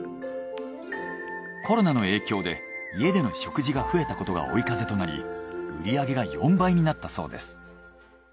コロナの影響で家での食事が増えたことが追い風となり売り上げが４倍になったそうです。